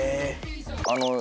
あの。